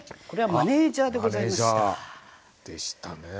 これはマネージャーでございました。